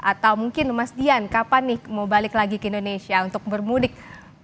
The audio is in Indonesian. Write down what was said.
atau mungkin mas dian kapan nih mau balik lagi ke indonesia untuk bermudik